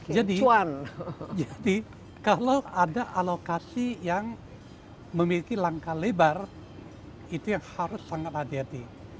jadi kalau ada alokasi yang memiliki langkah lebar itu yang harus sangat hati hati